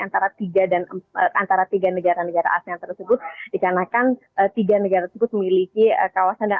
antara tiga negara negara asean tersebut dikarenakan tiga negara tersebut memiliki kawasan